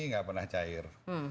nggak pernah cair